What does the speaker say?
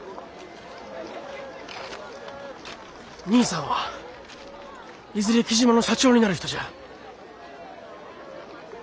兄さんはいずれ雉真の社長になる人じゃあ。